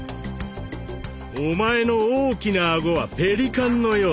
「お前の大きなアゴはペリカンのようだ。